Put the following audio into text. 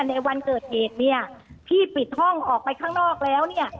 ในวันเกิดเหตุเนี่ยพี่ปิดห้องออกไปข้างนอกแล้วเนี่ย